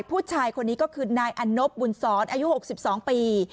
ผู้ชายคนนี้ก็คือนายอันนบบุญซ้อนอายุหกสิบสองปี